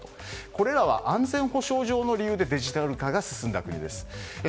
これらは安全保障上の理由でデジタル化が進みました。